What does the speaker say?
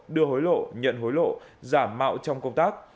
đưa hối lộ nhận hối lộ giảm mạo trong công tác